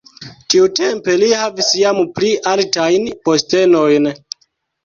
Tiutempe li havis jam pli altajn postenojn.